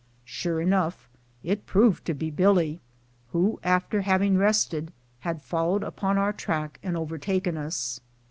Sure enough, it proved to be Billy, who, after having rested, had followed upon our track and overtaken us.